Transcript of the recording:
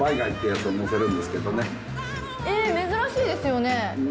珍しいですよね。